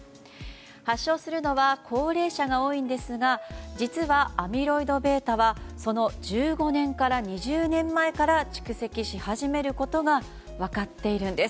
発症するのは高齢者が多いんですが実は、アミロイドβはその１５年から２０年前から蓄積し始めることが分かっているんです。